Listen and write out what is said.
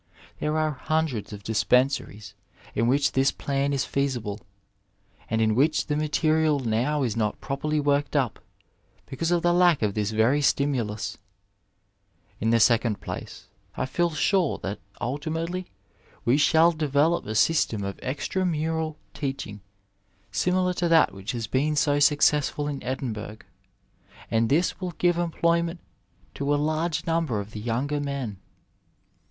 There are hundreds of dispensaries in which this plan is feasible, and in which the material now is not properly iporked up because of the lack of this very stimulus. In 146 Digitized by Google INTERNAL MEDICINE AS A VOCATION the second place, I feel sure that ultimately we shall de velop a system of extra mural teaching similar to that which has been so successful in Edinburgh; and this will give employment to a large number of the younger men.